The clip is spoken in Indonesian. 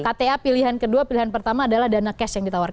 kta pilihan kedua pilihan pertama adalah dana cash yang ditawarkan